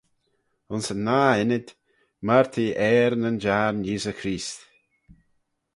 Ayns yn nah ynnyd, myr t'eh ayr nyn jiarn Yeesey Creest.